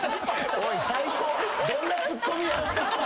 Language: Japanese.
おい「最高」ってどんなツッコミや。